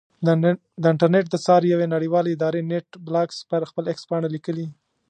د انټرنېټ د څار یوې نړیوالې ادارې نېټ بلاکس پر خپل ایکس پاڼه لیکلي.